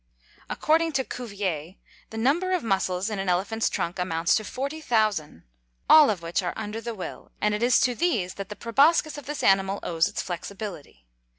According to Cuvier, the number of muscles, in an elephant's trunk, amounts to forty thousand, all of which are under the will, and it is to these that the proboscis of this animal owes its flexibility.